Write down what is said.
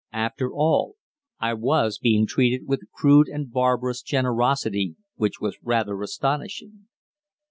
After all, I was being treated with a crude and barbarous generosity which was rather astonishing.